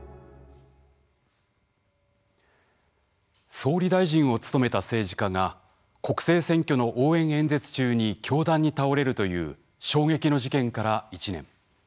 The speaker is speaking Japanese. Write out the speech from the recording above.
総理大臣を務めた政治家が国政選挙の応援演説中に凶弾に倒れるという衝撃の事件から１年。